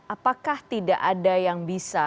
apakah tidak ada yang bisa